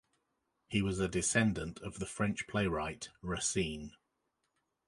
He was a descendant of the French playwright Racine.